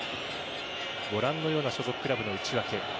ご覧のような所属クラブの内訳。